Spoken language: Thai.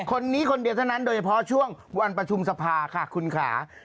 คนนี้คนเดียวเท่านั้นโดยเฉพาะช่วงวันประชุมสภาค่ะคุณค่ะ